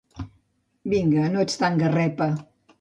Vinga, no ets tan garrepa.